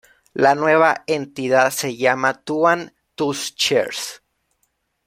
La nueva entidad se llama Twann-Tüscherz.